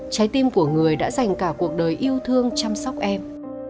trái tim của người đã dành cả cuộc đời yêu thương chăm sóc em